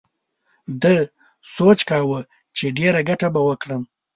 ده سوچ کاوه چې ډېره گټه به وکړم.